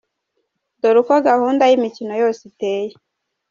Dore uko gahunda y’imikino yose iteye :